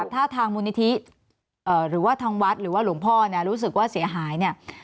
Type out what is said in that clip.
ถ้าทางมูลนิธิหรือว่าทางวัดหรือว่าหลวงพ่อเนี่ยรู้สึกว่าเสียหายเนี่ย